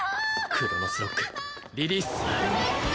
クロノスロックリリースウソ